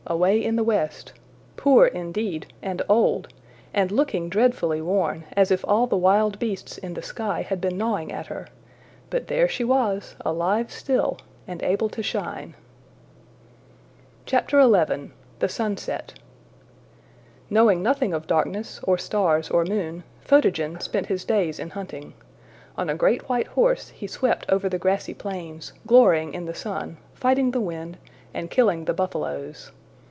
away in the west poor, indeed, and old, and looking dreadfully worn, as if all the wild beasts in the sky had been gnawing at her but there she was, alive still, and able to shine! XI. The Sunset. KNOWING nothing of darkness, or stars, or moon, Photogen spent his days in hunting. On a great white horse he swept over the grassy plains, glorying in the sun, fighting the wind, and killing the buffaloes.